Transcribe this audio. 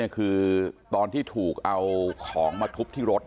คือตอนที่ถูกเอาของมาทุบที่รถ